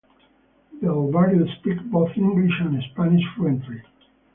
Del Barrio speaks both English and Spanish fluently.